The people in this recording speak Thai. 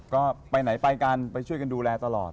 ก็ไปไหนไปกันไปช่วยกันดูแลตลอด